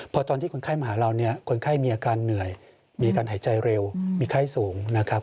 พอตอนที่คนไข้มาหาเราเนี่ยคนไข้มีอาการเหนื่อยมีการหายใจเร็วมีไข้สูงนะครับ